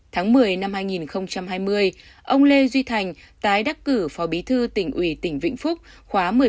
tháng một mươi năm hai nghìn hai mươi ông lê duy thành tái đắc cử phó bí thư tỉnh ủy tỉnh vĩnh phúc khóa một mươi bốn